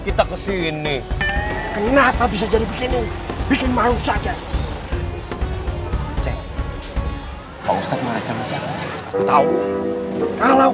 ke sini kenapa bisa jadi begini bikin malu saja